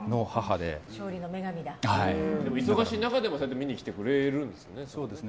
でも忙しい中でも見に来てくれるんですね。